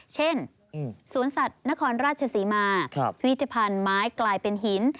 เช่นสวนสัตว์นครราชศรีมาพิธภัณฑ์ไม้กลายเป็นหิน